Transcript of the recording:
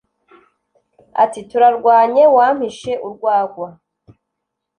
ati : turarwanye wampishe urwagwa.